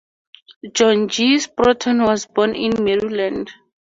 John G. Sproston was born in Maryland.